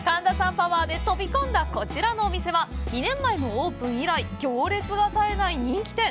パワーで飛び込んだこちらのお店は２年前のオープン以来行列が絶えない人気店！